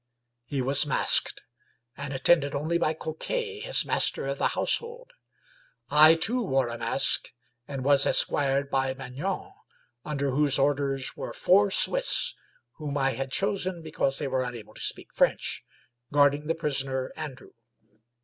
He was masked, and attended only by Coquet, his master of the household. I too wore a mask and was esquired by Maignan, under whose orders were four Swiss — whom I had chosen because they were unable to specx French — guarding the prisoner Andrew.